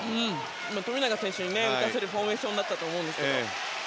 富永選手に打たせるフォーメーションだったと思うんですけど。